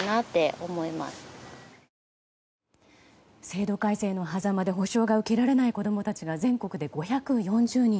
制度改正のはざまで補償が受けられない子供が全国で５４０人。